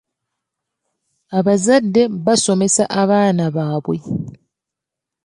Abazadde basomesa abaana baabwe.